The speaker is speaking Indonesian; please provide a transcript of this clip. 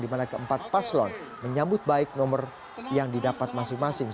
di mana keempat paslon menyambut baik nomor yang didapat masing masing